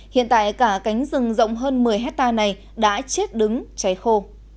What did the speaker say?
hiện tại cả cánh rừng rộng hơn một mươi hectare này đã chết đứng cháy khô